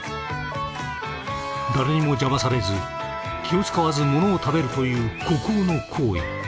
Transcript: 誰にも邪魔されず気を遣わずものを食べるという孤高の行為。